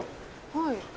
はい。